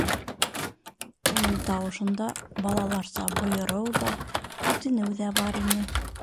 Уның тауышында балаларса бойороу ҙа, үтенеү ҙә бар ине.